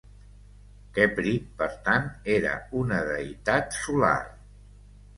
Khepri, per tant, era una deïtat solar.